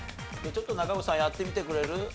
ちょっと中越さんやってみてくれる？